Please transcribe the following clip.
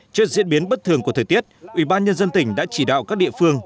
trước diễn biến bất thường của thời tiết ủy ban nhân dân tỉnh đã chỉ đạo các địa phương